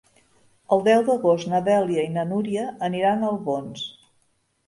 El deu d'agost na Dèlia i na Núria aniran a Albons.